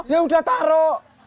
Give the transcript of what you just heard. ya udah taruh